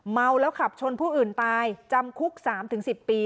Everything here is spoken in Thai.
เมาแล้วขับชนผู้อื่นตายจำคุก๓๑๐ปี